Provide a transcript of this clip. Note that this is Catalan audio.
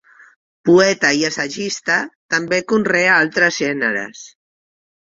Poeta i assagista, també conrea altres gèneres.